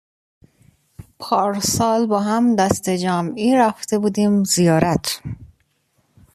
پارسال با هم دسته جمعی رفته بودیم زیارت